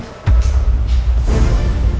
aku gak tau mas